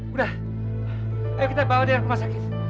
udah ayo kita bawa dia ke rumah sakit